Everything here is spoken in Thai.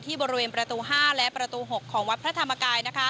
บริเวณประตู๕และประตู๖ของวัดพระธรรมกาย